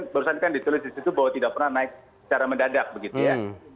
barusan kan ditulis di situ bahwa tidak pernah naik secara mendadak begitu ya